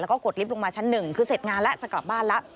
แล้วก็กดลิฟต์ลงมาชั้นหนึ่งคือเสร็จงานแล้วจะกลับบ้านแล้ว